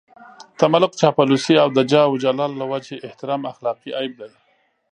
تملق، چاپلوسي او د جاه و جلال له وجهې احترام اخلاقي عيب دی.